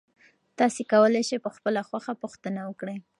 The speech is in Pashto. تاسي کولای شئ په خپله خوښه پوښتنه وکړئ.